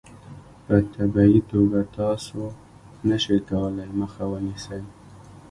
په طبیعي توګه تاسو نشئ کولای مخه ونیسئ.